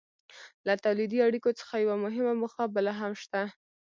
له تولیدي اړیکو څخه یوه مهمه موخه بله هم شته.